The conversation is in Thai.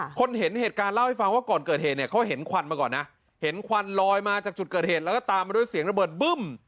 คนเห็นเหตุการณ์เล่าให้ฟังว่าก่อนเกิดเหตุเนี่ยเขาเห็นควันมาก่อนนะเห็นควันลอยมาจากจุดเกิดเหตุแล้วก็ตามมาด้วยเสียงระเบิดบึ้ม